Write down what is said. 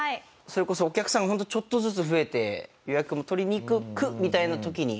それこそお客さんがホントちょっとずつ増えて予約も取りにくくみたいな時に。